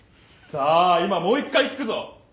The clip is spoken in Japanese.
さあ今もう一回聞くぞ。